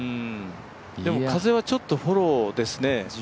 でも風はちょっとフォローですね。